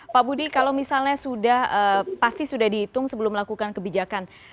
pak budi kalau misalnya sudah pasti sudah dihitung sebelum melakukan kebijakan